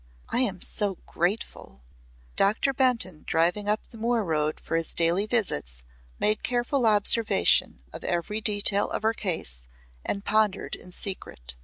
I am so grateful." Doctor Benton driving up the moor road for his daily visits made careful observation of every detail of her case and pondered in secret.